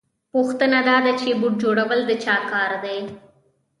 پوښتنه دا ده چې بوټ جوړول د چا کار دی